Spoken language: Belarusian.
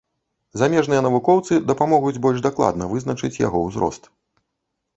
Замежныя навукоўцы дапамогуць больш дакладна вызначыць яго ўзрост.